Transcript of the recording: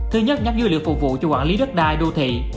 thứ nhất nhóm dữ liệu phục vụ cho quản lý đất đai đô thị